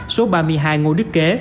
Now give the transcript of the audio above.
số ba mươi hai ngô đức kế